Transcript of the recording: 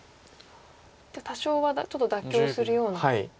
多少はちょっと妥協するような。